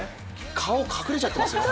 顔、隠れちゃってますよ。